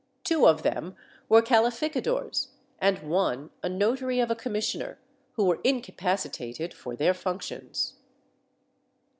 Two of them were calificadores and one a notary of a commissioner, who were incapacitated for their functions.